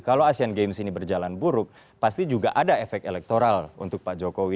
kalau asean games ini berjalan buruk pasti juga ada efek elektoral untuk pak jokowi